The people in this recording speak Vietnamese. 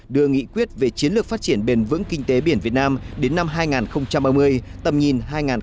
đưa nghị quyết về chiến lược phát triển bền vững kinh tế biển việt nam đến năm hai nghìn ba mươi tầm nhìn hai nghìn bốn mươi năm